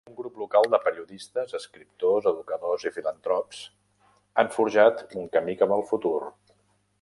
Un grup local de periodistes, escriptors, educadors i filantrops han forjat un camí cap al futur.